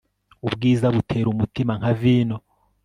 Ubwiza butera umutima nka vino